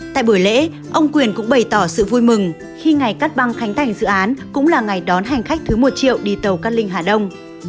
tại buổi lễ ông quyền cũng bày tỏ sự vui mừng khi ngày cắt băng khánh thành dự án cũng là ngày đón hành khách thứ một triệu đi tàu cát linh hà đông